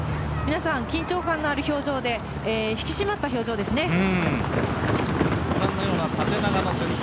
皆さん緊張感のある表情、引き締まった表情ですね。